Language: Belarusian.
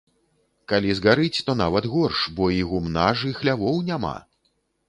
Калі згарыць, то нават горш, бо і гумна ж і хлявоў няма.